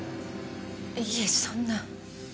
いいえそんな。